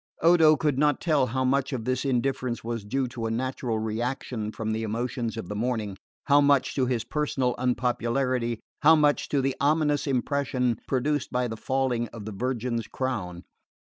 Odo could not tell how much of this indifference was due to a natural reaction from the emotions of the morning, how much to his personal unpopularity, how much to the ominous impression produced by the falling of the Virgin's crown.